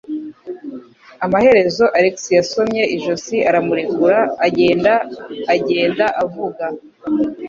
Amaherezo, Alex yasomye ijosi aramurekura, agenda agenda avuga.